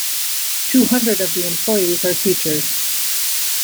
Two hundred of the employees are teachers.